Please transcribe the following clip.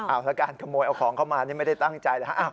เอาแล้วการขโมยเอาของเข้ามานี่ไม่ได้ตั้งใจแล้ว